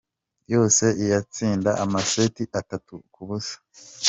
Yose iyatsinda amaseti atatu ku busa.